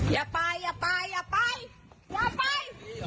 อย่าไปอย่าไปอย่าไปอย่าไป